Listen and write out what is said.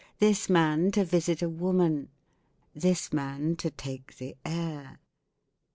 This man to visit a woman. This man to take the air.